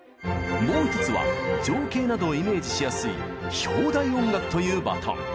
もう１つは情景などをイメージしやすい「標題音楽」というバトン。